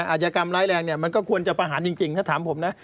อาจกรรมร้ายแรงเนี่ยมันก็ควรจะประหารจริงถ้าถามผมนะ